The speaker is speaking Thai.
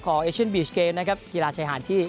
ของเอเชอร์นปีชเกมนะครับกีฬาชายหาญที่